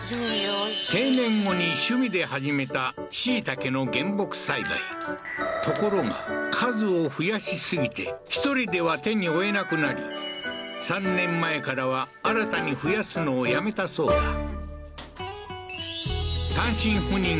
定年後に趣味で始めた椎茸の原木栽培ところが数を増やし過ぎて１人では手に負えなくなり３年前からは新たに増やすのをやめたそうだ